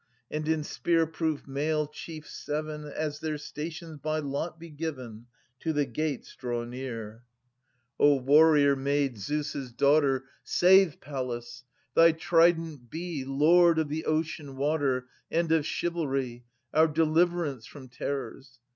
And in spear proof mail chiefs seven, As their stations by lot be given, To the gates draw near. 10 JESCHYLUS. (Ant. I.) O Warrior maid, Zeus' Daughter, Save, Pallas ! Thy trident be, 130 Lord of the ocean water And of chivalry, Our deliverance from terrors